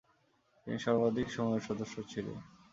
তিনি সর্বাধিক সময়ের সদস্য ছিলেন।